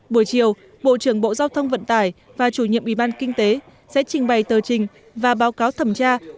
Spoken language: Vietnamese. buổi chiều bộ trưởng bộ giao thông vận tải và chủ nhiệm ủy ban kinh tế sẽ trình bày tờ trình và báo cáo thẩm tra